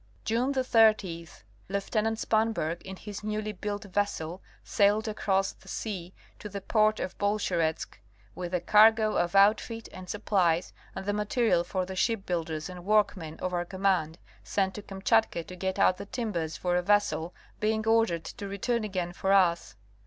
June 30, Lieut. Spanberg in his newly built vessel sailed across the sea to the port of Bolsheretsk with a cargo of outfit and sup plies and the material for the shipbuilders and workmen of our command, sent to Kamchatka to get out the timbers for a vessel, being ordered to return again for us.